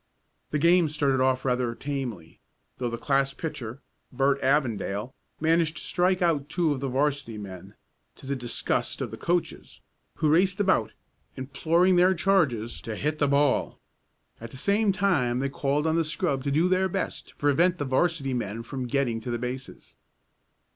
The game started off rather tamely, though the class pitcher Bert Avondale managed to strike out two of the 'varsity men, to the disgust of the coaches, who raced about, imploring their charges to hit the ball. At the same time they called on the scrub to do their best to prevent the 'varsity men from getting to the bases.